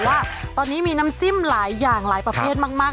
ว่าตอนนี้มีน้ำจิ้มหลายอย่างหลายประเภทมาก